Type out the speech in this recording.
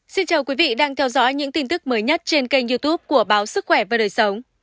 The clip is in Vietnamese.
xin chào quý vị đang theo dõi những tin tức mới nhất trên kênh youtube của báo sức khỏe và đời sống